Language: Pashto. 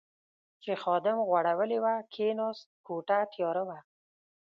چې خادم غوړولې وه، کېناست، کوټه تیاره وه.